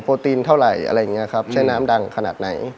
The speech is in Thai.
ตีนเท่าไหร่อะไรอย่างเงี้ยครับใช้น้ำดังขนาดไหน